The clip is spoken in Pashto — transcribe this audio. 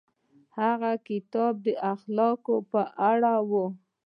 هغه کتاب د اخلاقو په اړه و.